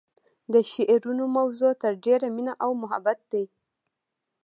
د شعرونو موضوع تر ډیره مینه او محبت دی